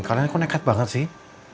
kalian kok nekat banget sih